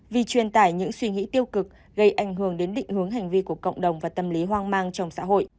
vì truyền tải những suy nghĩ tiêu cực gây ảnh hưởng đến định hướng hành vi của cộng đồng và tâm lý hoang mang trong xã hội